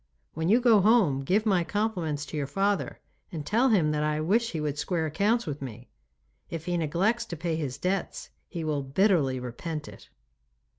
When you go home give my compliments to your father and tell him that I wish he would square accounts with me. If he neglects to pay his debts he will bitterly repent it.